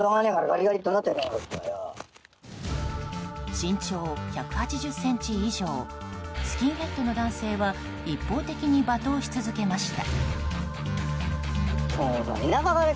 身長１８０ｃｍ以上スキンヘッドの男性は一方的に罵倒し続けました。